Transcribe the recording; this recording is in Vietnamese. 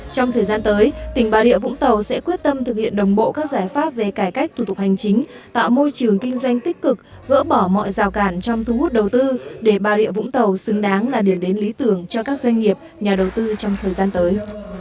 trong thời gian tới tỉnh bà rịa vũng tàu sẽ quyết tâm thực hiện đồng bộ các giải pháp về cải cách thủ tục hành chính tạo môi trường kinh doanh tích cực gỡ bỏ mọi rào cản trong thu hút đầu tư để bà rịa vũng tàu xứng đáng là điểm đến lý tưởng cho các doanh nghiệp nhà đầu tư trong thời gian tới